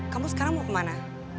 kamu sekarang mau kemana